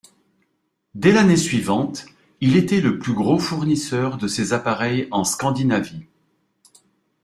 Dès l'année suivante, il était le plus gros fournisseur de ces appareils en Scandinavie.